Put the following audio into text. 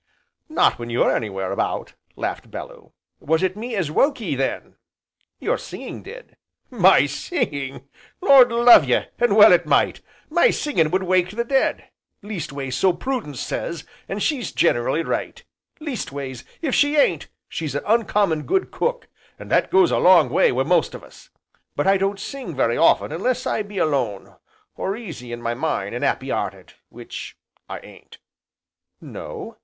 "Not when you're anywhere about!" laughed Bellew. "Was it me as woke ye then?" "Your singing did." "My singin'! Lord love ye, an' well it might! My singin' would wake the dead, leastways so Prudence says, an' she's generally right, leastways, if she ain't, she's a uncommon good cook, an' that goes a long way wi' most of us. But I don't sing very often unless I be alone, or easy in my mind an' 'appy 'earted, which I ain't." "No?"